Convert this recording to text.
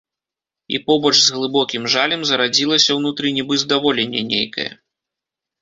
І побач з глыбокім жалем зарадзілася ўнутры нібы здаволенне нейкае.